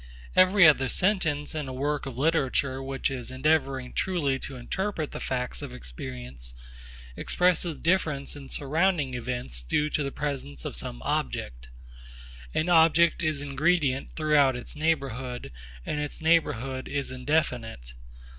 Every other sentence in a work of literature which is endeavouring truly to interpret the facts of experience expresses differences in surrounding events due to the presence of some object. An object is ingredient throughout its neighbourhood, and its neighbourhood is indefinite.